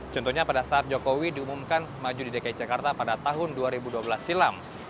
contohnya pada saat jokowi diumumkan maju di dki jakarta pada tahun dua ribu dua belas silam